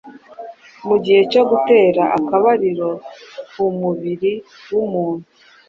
mu gihe cyo gutera akabariro ku mubiri w’umuntu